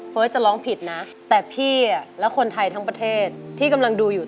เพลงนี้มันเร็วด้วย